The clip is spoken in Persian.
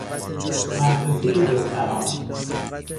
مدرسه دختران